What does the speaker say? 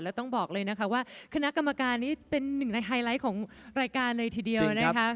แล้วต้องบอกเลยนะคะว่าคณะกรรมการนี้เป็นหนึ่งในไฮไลท์ของรายการเลยทีเดียวนะคะ